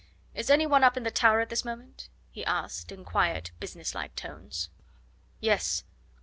Is any one up in the Tower at this moment?" he asked in quiet, business like tones. "Yes.